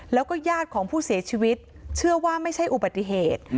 แล้วก็ญาติของผู้เสียชีวิตเชื่อว่าไม่ใช่อุบัติเหตุ